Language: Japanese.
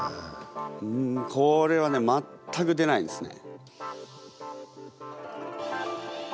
うんこれはね全く出ないですね。